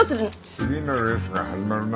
次のレースが始まるな。